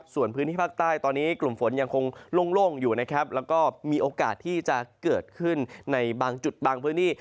ส่วนพื้นที่ภาคใต้ตอนนี้กลุ่มฝนยังคงโล่งอยู่นะครับแล้วก็มีโอกาสที่จะเกิดขึ้นในบางจุดบางพื้นที่